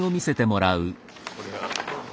これが。